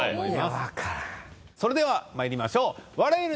それではまいりましょう笑える！